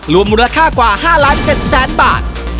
รวมมูลค่ากว่า๕๗๐๐๐๐๐บาท